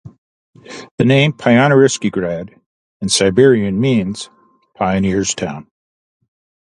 The name, "pionirski grad" in Serbian means "pioneer's town".